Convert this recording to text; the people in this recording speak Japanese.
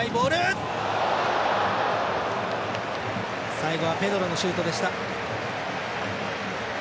最後はペドロのシュートでした。